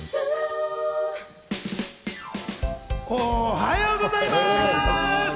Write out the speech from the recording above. おはようございます！